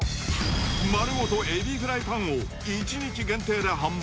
丸ごとエビフライパンを１日限定で販売。